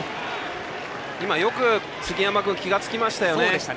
今、よく杉山君気が付きましたよね。